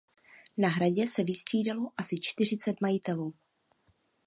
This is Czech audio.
Na hradě se vystřídalo asi čtyřicet majitelů.